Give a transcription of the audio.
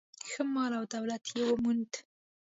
ښه مال او دولت یې وموند.